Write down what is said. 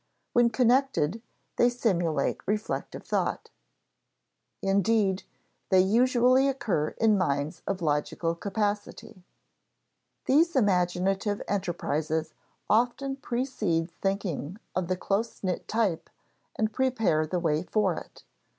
When connected, they simulate reflective thought; indeed, they usually occur in minds of logical capacity. These imaginative enterprises often precede thinking of the close knit type and prepare the way for it.